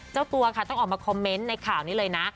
เจ้าตัวค่ะต้องออกมาคอมเมนต์ในข่าวนี้เลยนะ